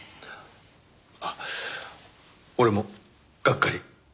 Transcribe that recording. あっ俺もがっかり。